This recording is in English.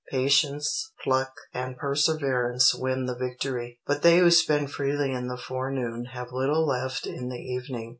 Patience, pluck, and perseverance win the victory, but they who spend freely in the forenoon have little left in the evening.